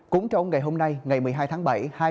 cũng trong ngày hôm nay ngày một mươi hai tháng bảy